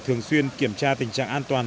thường xuyên kiểm tra tình trạng an toàn